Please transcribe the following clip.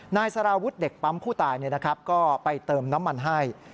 นายสารวุฒิเด็กปั๊มผู้ตายก็ไปเติมน้ำมันให้